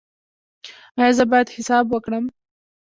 ایا زه باید حساب وکړم؟